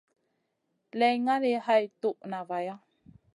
Lay ngali hay toud na vaya.